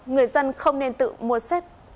người dân không nên tự mua xếp